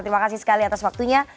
terima kasih sekali atas waktunya